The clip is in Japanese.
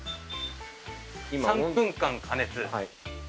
３分間加熱。